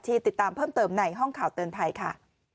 ติดตามเพิ่มเติมในห้องข่าวเตือนภัยค่ะ